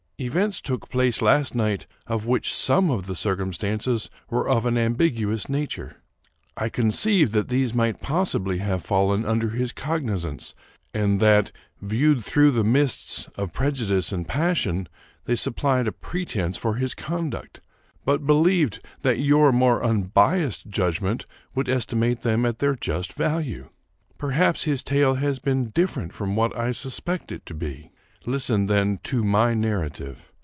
Events took place last night of which some of the circumstances were of an ambiguous nature. I conceived that these might possibly have fallen under his cognizance, and that, viewed through the mists of prejudice and passion, they supplied a pretense for his conduct, but believed that your more unbiased judgment would estimate them at their just value. Per haps his tale has been different from what I suspect it to be. Listen, then, to my narrative.